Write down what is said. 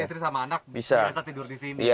pak cetri sama anak biasa tidur disini ya